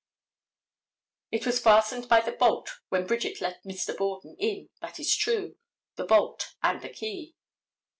It was fastened by the bolt when Bridget let Mr. Borden in, that is true—the bolt and the key.